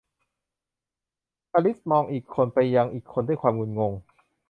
อลิซมองอีกคนไปยังอีกคนด้วยความงุนงง